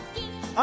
あ！